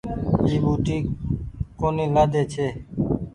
اي ٻوٽي ڪونيٚ لآۮي ڇي